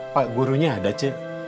pak gurunya ada c